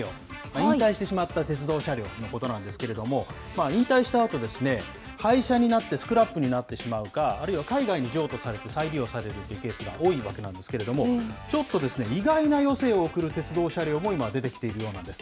引退してしまった鉄道車両のことなんですけれども、引退したあとですね、廃車になってスクラップになってしまうか、あるいは、海外に譲渡されて、再利用されるというケースが多いわけなんですけれども、ちょっとですね、意外な余生を送る鉄道車両も今、出てきているようなんです。